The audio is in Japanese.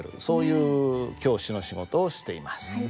そういう教師の仕事をしています。